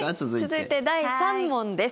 続いて、第３問です。